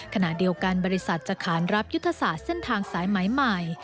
ขณะเดียวกันบริษัทจะขานรับยุทธศาสตร์เส้นทางสายไหมใหม่